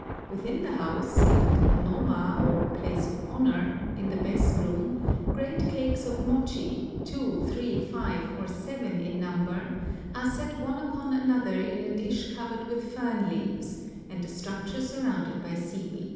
Within the house, in the tokonoma, or place of honor, in the best room, great cakes of mochi, two, three, five, or seven in number, are set one upon another in a dish covered with fern leaves, and the structure surrounded by seaweed.